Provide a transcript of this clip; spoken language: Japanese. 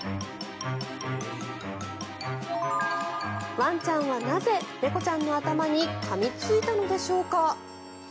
ワンちゃんはなぜ猫ちゃんの頭にかみついたのでしょうか。